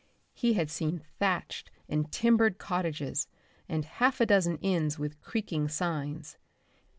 He had seen thatched and timbered cottages, and half a dozen inns with creaking signs.